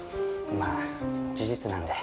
まあ事実なんで。